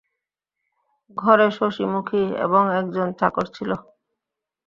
ঘরে শশিমুখী এবং একজন চাকর ছিল।